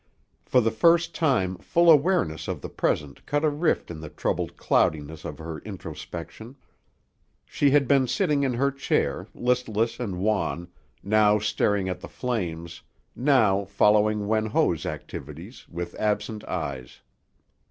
For the first time full awareness of the present cut a rift in the troubled cloudiness of her introspection. She had been sitting in her chair, listless and wan, now staring at the flames, now following Wen Ho's activities with absent eyes.